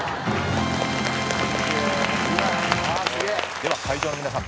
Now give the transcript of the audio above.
では会場の皆さん